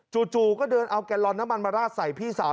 จู่ก็เดินเอาแกลลอนน้ำมันมาราดใส่พี่สาว